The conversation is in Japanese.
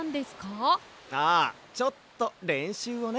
ああちょっとれんしゅうをね。